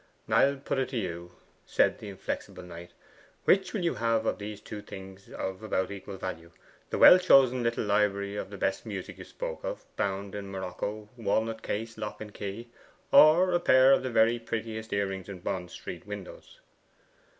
'I'll put it to you,' said the inflexible Knight. 'Which will you have of these two things of about equal value the well chosen little library of the best music you spoke of bound in morocco, walnut case, lock and key or a pair of the very prettiest earrings in Bond Street windows?